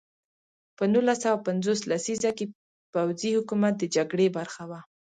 په نولس سوه پنځوس لسیزه کې پوځي حکومت د جګړې برخه وه.